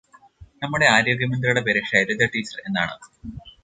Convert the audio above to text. നമ്മുടെ ആരോഗ്യമന്ത്രിയുടെ പേര് ഷൈലജ റ്റീച്ചർ എന്നാണ്.